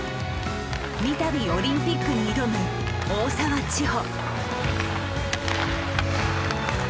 三たびオリンピックに挑む大澤ちほ。